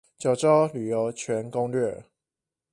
九州旅遊全攻略